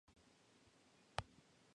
Telesur borró el tweet posteriormente.